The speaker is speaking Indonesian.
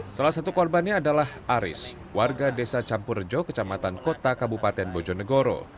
salah satu korbannya adalah aris warga desa campurjo kecamatan kota kabupaten bojonegoro